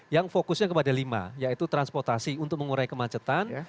yang fokusnya kepada lima yaitu transportasi untuk mengurai kemacetan